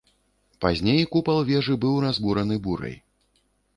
Пазней купал вежы быў разбураны бурай.